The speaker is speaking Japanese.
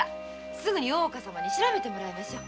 すぐ大岡様に調べてもらいましょう。